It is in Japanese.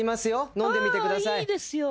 飲んでみてください